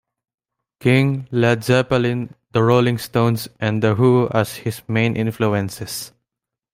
King, Led Zeppelin, The Rolling Stones, and The Who as his main influences.